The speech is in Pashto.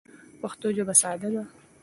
پښتو ژبه ساده ده.